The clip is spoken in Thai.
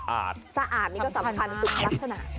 สะอาดนี่ก็สำคัญสุดลักษณะ